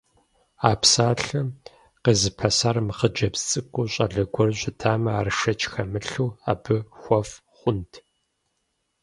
А псалъэр къезыпэсар мыхъыджэбз цӀыкӀуу, щӀалэ гуэру щытамэ, ар, шэч хэмылъу, абы хуэфӀ хъунт!